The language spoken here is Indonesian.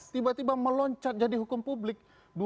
tiba tiba meloncat jadi hukum publik